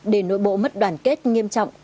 để nội bộ mất đoàn kết nghiêm trọng